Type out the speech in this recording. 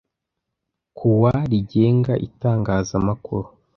Kuwa Rigenga Itangazamakuru